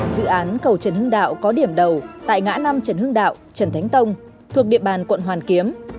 dự án cầu trần hưng đạo có điểm đầu tại ngã năm trần hưng đạo trần thánh tông thuộc địa bàn quận hoàn kiếm